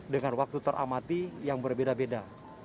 dengan waktu teramati yang berbeda beda